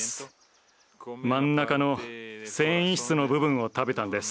真ん中の繊維質の部分を食べたんです。